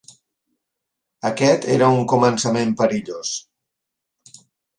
Aquest era un començament perillós.